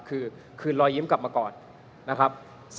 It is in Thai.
คือคืนรอยยิ้มกลับมาก่อนนะครับ